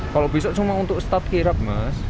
kalau bisa cuma untuk star kirap mas